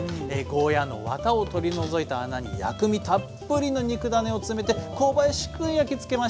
ゴーヤーのワタを取り除いた穴に薬味たっぷりの肉ダネを詰めて香ばしく焼きつけました。